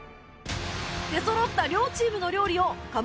出そろった両チームの料理を『かまいガチ』